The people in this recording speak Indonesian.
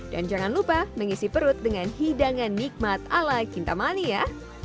dan jangan lupa mengisi perut dengan hidangan nikmat ala kintamani ya